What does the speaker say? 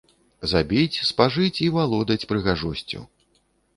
Забіць, спажыць і валодаць прыгажосцю!